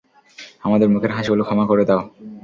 আমাদের মুখের হাসিগুলো ক্ষমা করে দাও।